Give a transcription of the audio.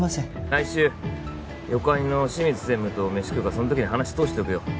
来週横アニの清水専務とメシ食うからそん時に話通しておくよ